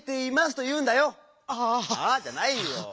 「ああ」じゃないよ。